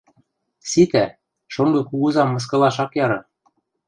Ситӓ, шонгы кугузам мыскылаш ак яры.